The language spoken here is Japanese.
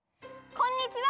こんにちは！